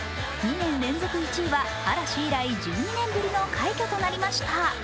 ２年連続１位は嵐以来１２年ぶりの快挙となりました。